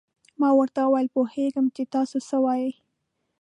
ما ورته وویل: پوهېږم چې تاسو څه وایئ.